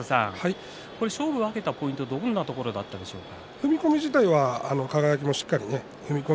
勝負を分けたポイントはどんなことをしたでしょうか。